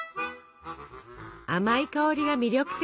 甘い香りが魅力的！